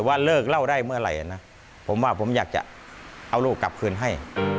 ว่าเลิกเล่าได้เมื่อไหร่นะผมว่าผมอยากจะเอาลูกกลับคืนให้